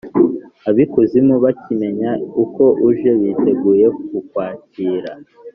Ab’ikuzimu bakimenya ko uje, biteguye kukwakira.